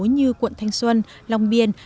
như quận thanh xuân lòng biên